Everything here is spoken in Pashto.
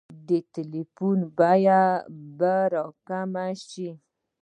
د تیلو بیې به راکمې شي؟